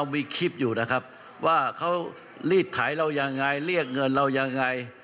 มีคลิปอยู่นะครับว่าเขารีดขายเรายังไงเรียกเงินเรายังไง